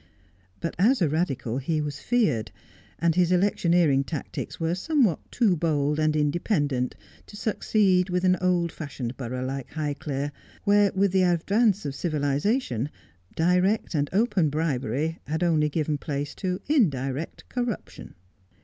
But as a Eadical he was feared, and his electioneering tactics were somewhat too bold and independent to succeed with an old fashioned borough like Highclere, where, with the advance of civilization, direct and open bribery had only given place to indirect corruption.